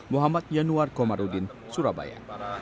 muhammad yanuar komarudin surabaya